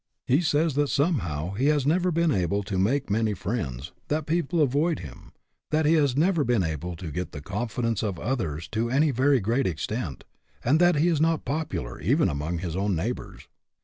He says that somehow he has never been able to make many friends; that people avoid him ; that he has never been able to get the confidence of others to any very great extent, and that he is not popular even among his own neighbors.